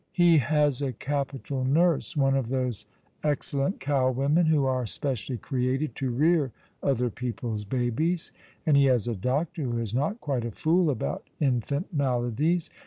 " He has a capital nurse— one of those excellent cow women, who are specially created to rear other people's babies ; and he has a doctor who is not quite a fool about infant maladies.